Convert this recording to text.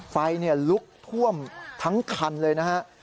ไฟลุกท่วมทั้งคันเลยนะฮะ